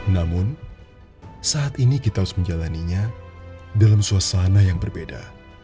namun saat ini kita harus menjalaninya dalam suasana yang berbeda